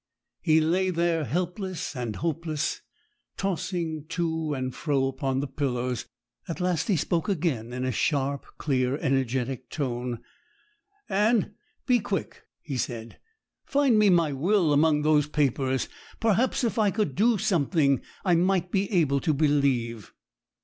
He lay there, helpless and hopeless, tossing to and fro upon the pillows. At last he spoke again, in a sharp, clear, energetic tone. 'Anne, be quick!' he said; 'find me my will among those papers. Perhaps if I could do something, I might be able to believe.'